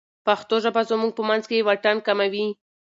پښتو ژبه زموږ په منځ کې واټن کموي.